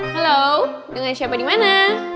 halo dengan siapa di mana